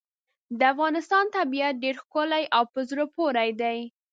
د افغانستان طبیعت ډېر ښکلی او په زړه پورې دی.